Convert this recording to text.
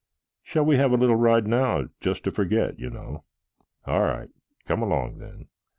Shall we have a little ride now just to forget, you know? All right, come along then."